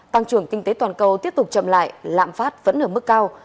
tăng trưởng kinh tế toàn cầu tiếp tục chậm lại lạm phát vẫn ở mức cao